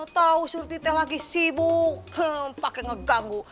tau surut gue lagi sibuk pakem ngeganggu